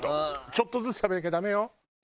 ちょっとずつ食べなきゃダメよ。